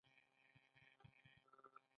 له وایسرا څخه یې دوستانه ګیله کړې ده.